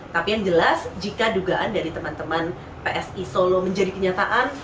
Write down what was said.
tapi yang jelas jika dugaan dari teman teman psi solo menjadi kenyataan